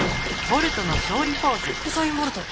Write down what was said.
ウサイン・ボルト。